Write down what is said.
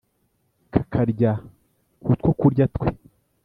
kakarya ku twokurya twe